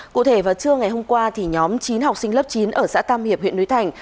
cụ thể vào trưa ngày hôm qua nhóm chín học sinh lớp chín ở xã tam hiệp huyện núi thành